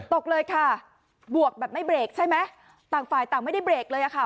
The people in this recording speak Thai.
ตกเลยค่ะบวกแบบไม่เบรกใช่ไหมต่างฝ่ายต่างไม่ได้เบรกเลยอะค่ะ